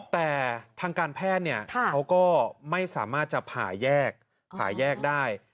แต่ทางการแพทย์เขาก็ไม่สามารถจะผ่าแยกผ่าแยกได้